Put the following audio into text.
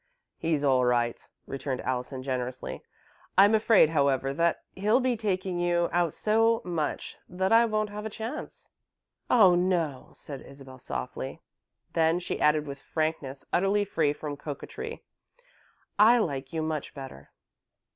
"He's all right," returned Allison, generously, "I'm afraid, however, that he'll be taking you out so much that I won't have a chance." "Oh, no!" said Isabel, softly. Then she added with frankness utterly free from coquetry, "I like you much better."